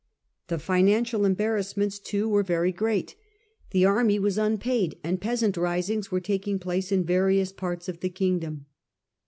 The financial embarrass ments too were very great. The army was unpaid, and peasant risings were taking place in various parts of the kingdom.